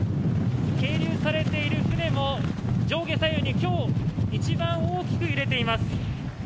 係留されている船も上下左右に今日一番大きく揺れています。